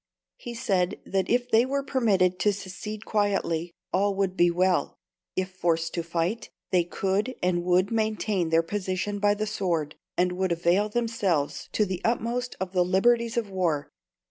He said, that if they were permitted to secede quietly, all would be well. If forced to fight, they could and would maintain their position by the sword, and would avail themselves to the utmost of the liberties of war.